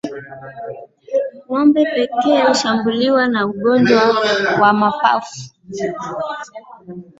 Ngombe pekee hushambuliwa na ugonjwa wa homa ya mapafu